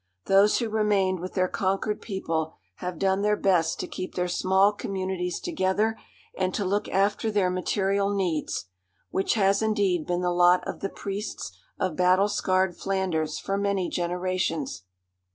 Those who remained with their conquered people have done their best to keep their small communities together and to look after their material needs which has, indeed, been the lot of the priests of battle scarred Flanders for many generations.